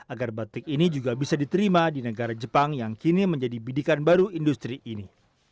agar batik ini juga bisa diterima di negara jepang yang kini menjadi bidikan baru industri ini